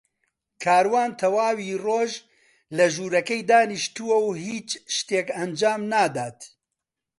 کاروان تەواوی ڕۆژ لە ژوورەکەی دانیشتووە و هیچ شتێک ئەنجام نادات.